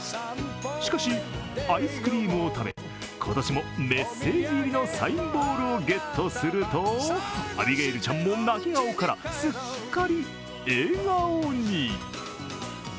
しかし、アイスクリームを食べ、今年もメッセージ入りのサインボールをゲットすると、アビゲイルちゃんも泣き顔からすっかり笑顔に。